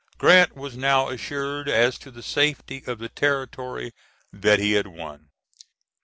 Grant was now assured as to the safety of the territory that he had won.